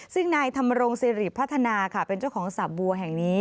ซึ่งนายธรรมรงสิริพัฒนาค่ะเป็นเจ้าของสับบัวแห่งนี้